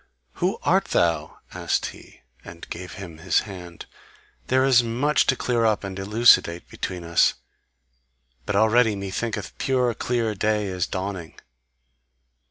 "Who art thou?" asked he, and gave him his hand, "there is much to clear up and elucidate between us, but already methinketh pure clear day is dawning."